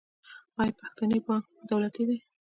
آیا پښتني بانک دولتي دی؟